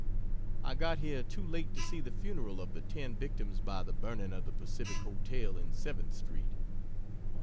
I got here too late to see the funeral of the 10 victims by the burning of the Pacific hotel in 7th street.